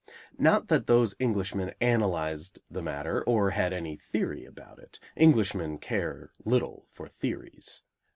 Not that those Englishmen analyzed the matter, or had any theory about it; Englishmen care little for theories.